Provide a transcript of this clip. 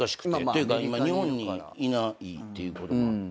ていうか今日本にいないっていうこともあって。